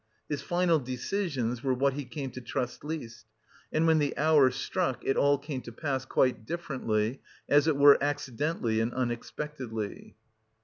His final decisions were what he came to trust least, and when the hour struck, it all came to pass quite differently, as it were accidentally and unexpectedly.